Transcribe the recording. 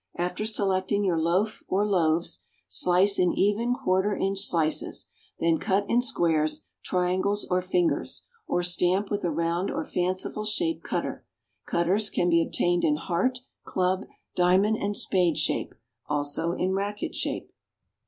After selecting your loaf or loaves, slice in even, quarter inch slices; then cut in squares, triangles or fingers, or stamp with a round or fanciful shaped cutter. Cutters can be obtained in heart, club, diamond and spade shape, also in racquet shape.